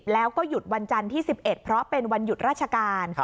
แล้วก็หยุดวันจันทร์ที่๑๑เพราะเป็นวันหยุดราชการ